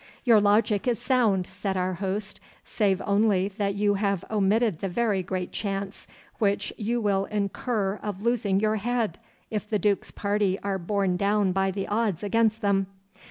'Your logic is sound,' said our host, 'save only that you have omitted the very great chance which you will incur of losing your head if the Duke's party are borne down by the odds against them.